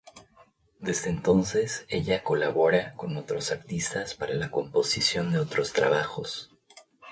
Desde entonces, ella colabora con otros artistas para la composición de otros trabajos.